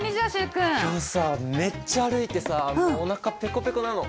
今日さめっちゃ歩いてさもうおなかペコペコなの。